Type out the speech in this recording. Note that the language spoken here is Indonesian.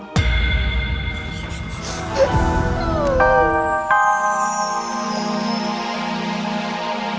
tidak ada masalah